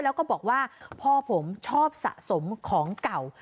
แล้วก็บอกว่าพ่อผมชอบสะสมของเก่า